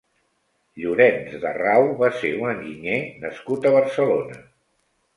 Llorenç d'Arrau va ser un enginyer nascut a Barcelona.